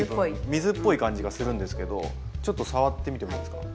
水っぽい感じがするんですけどちょっと触ってみてもいいですか。